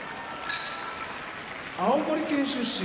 青森県出身